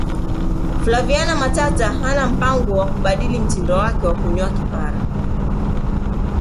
flaviana matata hana mpango wa kubadili mtindo wake wa kunyoa kipara